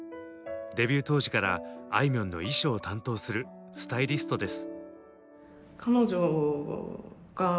デビュー当時からあいみょんの衣装を担当するスタイリストです。